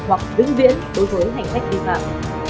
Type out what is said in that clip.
hoặc đứng viễn đối với hành khách vi phạm